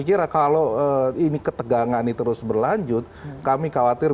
ini terus berlanjut kami khawatir